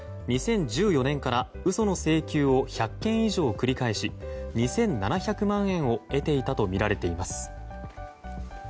２０１４年から嘘の請求を１００件以上繰り返し２７００万円を得ていたとみられています。